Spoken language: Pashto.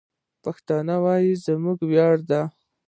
د پښتو ویل زموږ ویاړ دی.